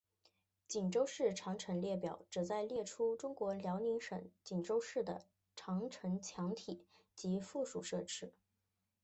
锦州市长城列表旨在列出中国辽宁省锦州市的长城墙体及附属设施。